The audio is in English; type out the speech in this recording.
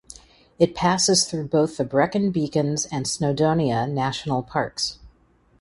It passes through both the Brecon Beacons and Snowdonia national parks.